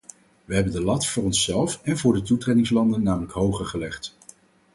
Wij hebben de lat voor onszelf en voor de toetredingslanden namelijk hoger gelegd.